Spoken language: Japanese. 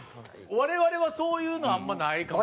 我々はそういうのあんまないかもしれん。